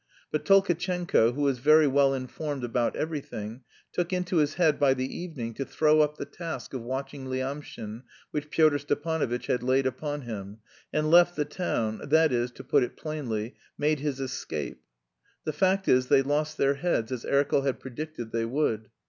But Tolkatchenko, who was very well informed about everything, took into his head by the evening to throw up the task of watching Lyamshin which Pyotr Stepanovitch had laid upon him, and left the town, that is, to put it plainly, made his escape; the fact is, they lost their heads as Erkel had predicted they would.